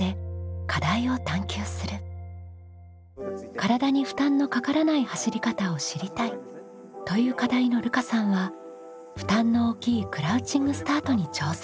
「体に負担のかからない走り方を知りたい」という課題のるかさんは負担の大きいクラウチングスタートに挑戦。